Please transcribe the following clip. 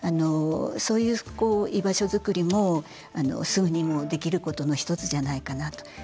そういう居場所作りもすぐにも、できることの一つじゃないかなと。